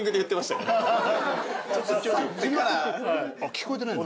聞こえてないな。